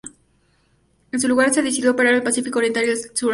En su lugar se decidió operar en el Pacífico Oriental y el Atlántico Sur.